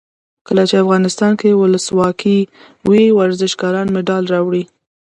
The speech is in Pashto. کله چې افغانستان کې ولسواکي وي ورزشکاران مډال راوړي.